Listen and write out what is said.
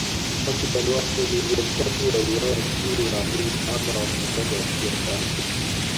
Takriban watu milioni tatu waliuawa chini ya Amin ama wapinzani wa siasa yake